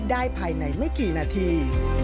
ได้ภายในไม่กี่นาที